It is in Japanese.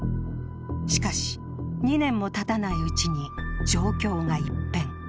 しかし、２年もたたないうちに状況が一変。